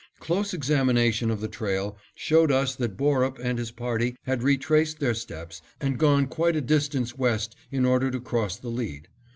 Close examination of the trail showed us that Borup and his party had retraced their steps and gone quite a distance west in order to cross the lead.